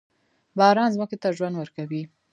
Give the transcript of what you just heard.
باران ځمکې ته ژوند ورکوي.